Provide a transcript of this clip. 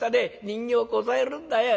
人形こさえるんだよ。